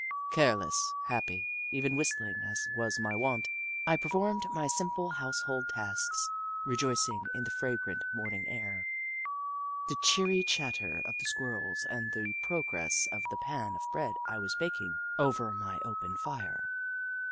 Careless, happy, even whistling as was my wont, I per formed my simple household tasks, rejoicing in the fragrant morning air, the cheery chatter of the Squirrels, and the progress of the pan of bread I was baking over my open fire.